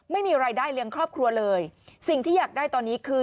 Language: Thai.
ไม่มีรายได้เลี้ยงครอบครัวเลยสิ่งที่อยากได้ตอนนี้คือ